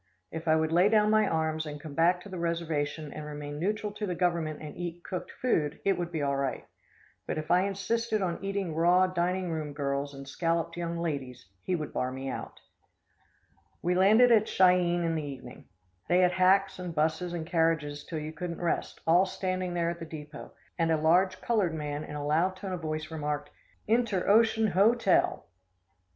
If I would lay down my arms and come back to the reservation and remain neutral to the Government and eat cooked food, it would be all right, but if I insisted on eating raw dining room girls and scalloped young ladies, he would bar me out. We landed at Chi eene in the evening. They had hacks and 'busses and carriages till you couldn't rest, all standing there at the depot, and a large colored man in a loud tone of voice remarked: "INTEROCEAN HO TEL!!!!" [Illustration: A REAL COWBOY.